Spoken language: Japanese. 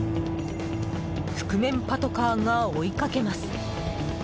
覆面パトカーが追いかけます。